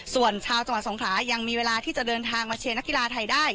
ส่วนชาวจังหวัดสงขลายังมีเวลาที่จะเดินทางมาเชียร์นักกีฬาไทยได้